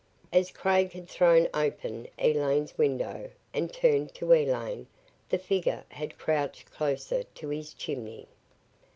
As Craig had thrown open Elaine's window and turned to Elaine, the figure had crouched closer to his chimney.